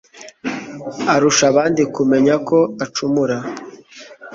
arusha abandi kumenya ko acumura